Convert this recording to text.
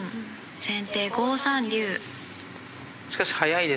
先手５三龍。